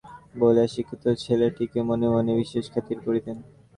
গৌরসুন্দর নিজে নিরক্ষর ছিলেন বলিয়া শিক্ষিত ছেলেটিকে মনে মনে বিশেষ খাতির করিতেন।